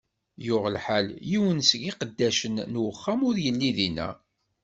Yuɣ lḥal, yiwen seg iqeddacen n uxxam ur illi dinna.